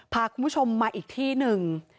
พาคุณผู้ชมมาอีกที่หนึ่ง